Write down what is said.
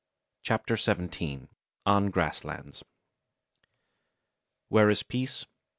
CHAPTER XVII ON GRASSLANDS Where is peace?